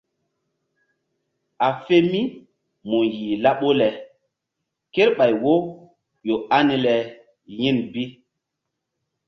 A fe mí mu yih laɓu le kerɓay wo ƴo ani le yin bi.